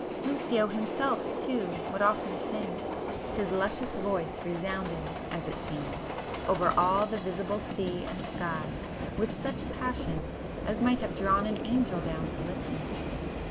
Lucio himself too would often sing,—his luscious voice resounding, as it seemed, over all the visible sea and sky, with such passion as might have drawn an angel down to listen.